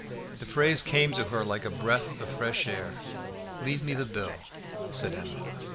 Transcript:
The phrase came to her like a breath of fresh air. "Leave me the bill," said Emma.